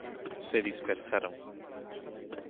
se dispersaron .